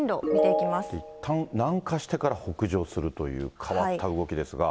いったん南下してから北上するという変わった動きですが。